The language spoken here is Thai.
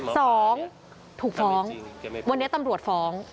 สองถูกฟ้องวันนี้ตำรวจฟ้อง